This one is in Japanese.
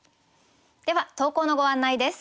では投稿のご案内です。